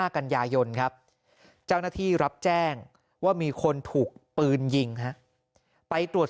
กันยายนครับเจ้าหน้าที่รับแจ้งว่ามีคนถูกปืนยิงฮะไปตรวจ